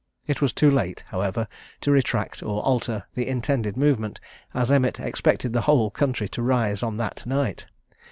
It was too late, however, to retract, or alter the intended movement, as Emmet expected the whole country to rise on that night.